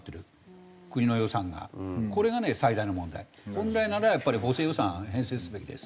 本来ならやっぱり補正予算編成すべきです。